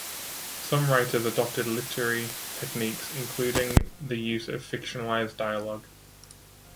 Some writers adopted literary techniques, including the use of fictionalized dialogue.